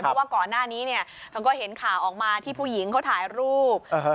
เพราะว่าก่อนหน้านี้เนี่ยมันก็เห็นข่าวออกมาที่ผู้หญิงเขาถ่ายรูป